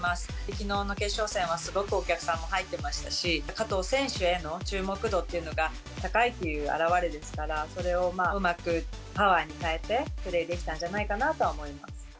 きのうの決勝戦はすごくお客さんも入っていましたし、加藤選手への注目度っていうのが高いという表れですから、それをうまくパワーに変えて、プレーできたんじゃないかと思います。